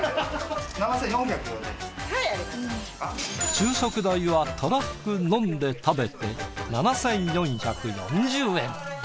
昼食代はたらふく飲んで食べて７，４４０円。